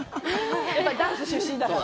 やっぱりダンス出身だから。